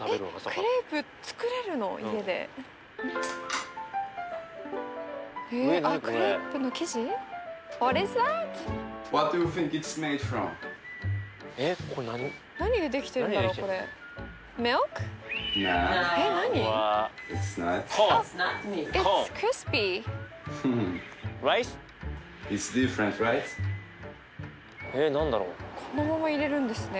このまま入れるんですね。